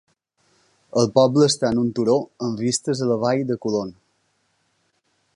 El poble està en un turó amb vistes a la vall de Coulon.